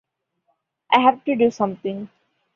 I have to do something!